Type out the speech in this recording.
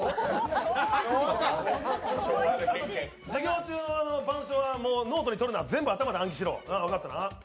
授業中の板書はノートにとるな、全部暗記しろ。